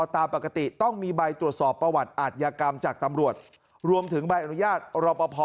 ตามปกติต้องมีใบตรวจสอบประวัติอาทยากรรมจากตำรวจรวมถึงใบอนุญาตรอปภ